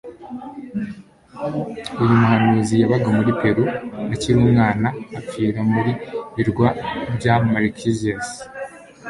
uyu muhanzi yabaga muri Peru akiri umwana apfira mu birwa bya Marquesas